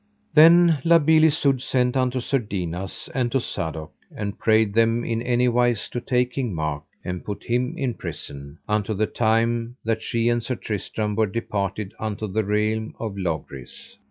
Then La Beale Isoud sent unto Sir Dinas, and to Sadok, and prayed them in anywise to take King Mark, and put him in prison, unto the time that she and Sir Tristram were departed unto the realm of Logris.